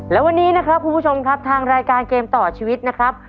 และวันนี้นะครับคุณผู้ชมครับทางรายการเกมต่อชีวิตนะครับ